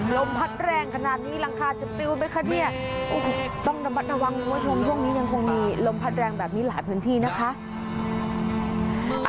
ลมพัดแรงขนาดนี้หลังคาจะปิวไหมคะเนี่ยต้องระมัดระวังคุณผู้ชมช่วงนี้ยังคงมีลมพัดแรงแบบนี้หลายพื้นที่นะคะ